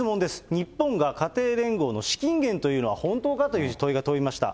日本が家庭連合の資金源というのは、本当かという問いが飛びました。